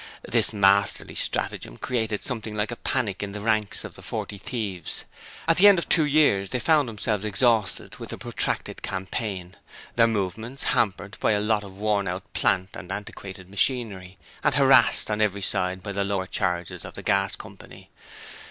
This masterly stratagem created something like a panic in the ranks of the Forty Thieves. At the end of two years they found themselves exhausted with the protracted campaign, their movements hampered by a lot of worn out plant and antiquated machinery, and harassed on every side by the lower charges of the Gas Coy.